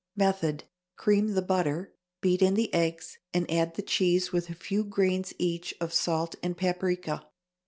Method. Cream the butter, beat in the eggs, and add the cheese with a few grains, each, of salt and paprica.